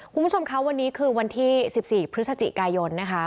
คุณผู้ชมคะวันนี้คือวันที่๑๔พฤศจิกายนนะคะ